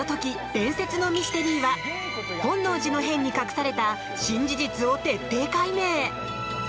伝説のミステリー」は本能寺の変に隠された新事実を徹底解明！